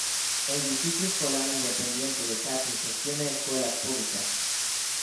El Distrito Escolar Independiente de Katy gestiona escuelas públicas.